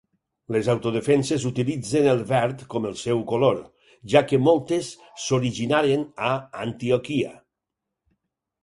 Les autodefenses utilitzen el verd com el seu color, ja que moltes s'originaren a Antioquia.